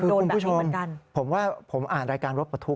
คือคุณผู้ชมผมว่าผมอ่านรายการรถปลดทุกข